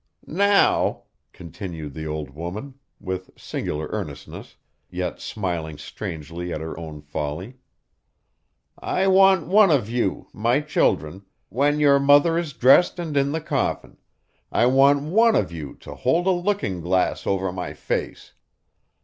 'Now' continued the old woman, with singular earnestness, yet smiling strangely at her own folly 'I want one of you, my children when your mother is dressed and in the coffin I want one of you to hold a looking glass over my face.